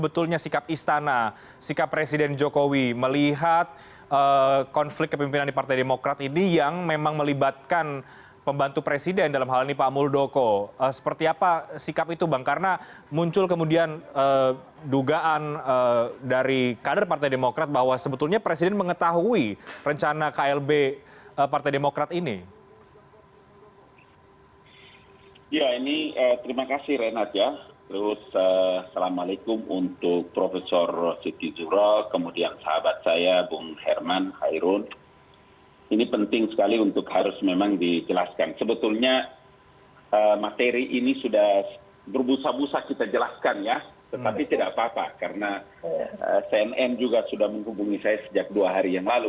tapi tidak apa apa karena cnn juga sudah menghubungi saya sejak dua hari yang lalu